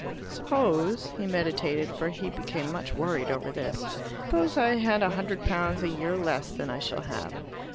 "Suppose," he meditated, for he became much worried over this, "suppose I had a hundred pounds a year less than I shall have.